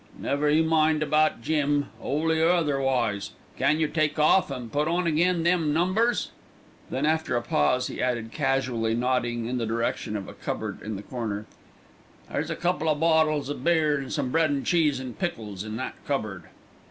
"Never you mind about Jim, 'oly or otherwise. Can yer take off and put on again them numbers?" Then after a pause he added casually, nodding in the direction of a cupboard in the corner: "There's a couple of bottles o' beer and some bread an' cheese an' pickles in that cupboard."